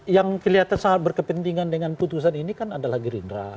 yang kelihatan sangat berkepentingan dengan putusan ini kan adalah gerindra